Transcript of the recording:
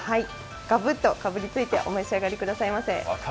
がぶっとかぶりついてお召し上がりくださいませ。